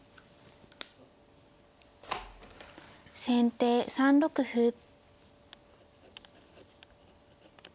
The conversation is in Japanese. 先手３六歩。